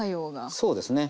そうですね。